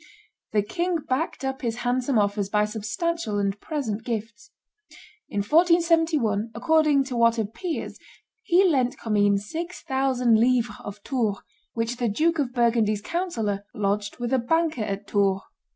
The king backed up his handsome offers by substantial and present gifts. In 1471, according to what appears, he lent Commynes six thousand livres of Tours, which the Duke of Burgundy's councillor lodged with a banker at Tours.